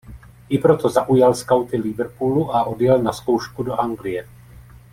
I proto zaujal skauty Liverpoolu a odjel na zkoušku do Anglie.